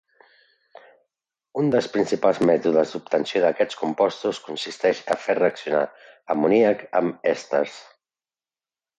Un dels principals mètodes d'obtenció d'aquests compostos consisteix a fer reaccionar amoníac amb èsters.